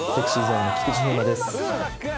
ＳｅｘｙＺｏｎｅの菊池風磨です。